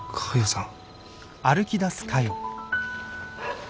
さん。